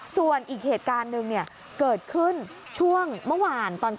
ส่วนอีกเหตุการณ์หนึ่งเกิดขึ้นช่วงเมื่อวานตอน